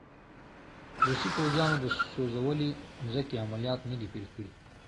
روسي پوځیانو د سوځولې مځکې عملیات نه دي پیل کړي.